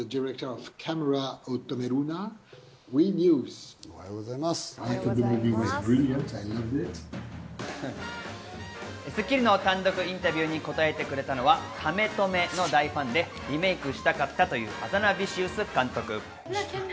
『スッキリ』の単独インタビューに答えてくれたのは、『カメ止め』の大ファンでリメークしたかったというアザナヴィシウス監督。